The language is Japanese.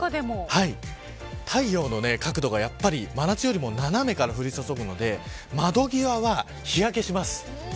太陽の角度が、やっぱり真夏よりも斜めから降り注ぐので窓際は日焼けします。